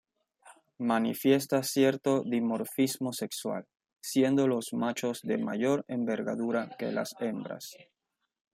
Manifiesta cierto dimorfismo sexual, siendo los machos de mayor envergadura que las hembras.